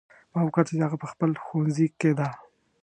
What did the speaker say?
ما وکتل چې هغه په خپل ښوونځي کې ده